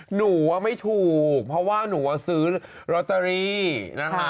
หนูว่าไม่ถูกเพราะว่าหนูซื้อลอตเตอรี่นะคะ